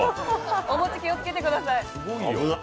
お餅気をつけてください。